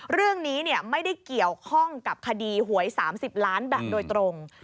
เรื่องนี้ไม่ได้เกี่ยวข้องกับคดีหวย๓๐ล้านแบบโดยตรง